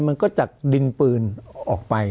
มันก็จะดินปืนออกไป